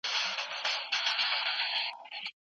د دلارام ولسوالي د نیمروز په اقتصادي نقشه کي لومړی مقام لري.